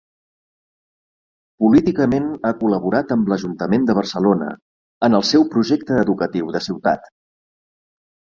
Políticament ha col·laborat amb l'ajuntament de Barcelona en el seu Projecte Educatiu de Ciutat.